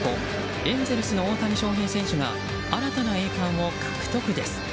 エンゼルスの大谷翔平選手が新たな栄冠を獲得です。